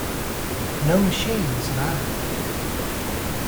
No machine is an island.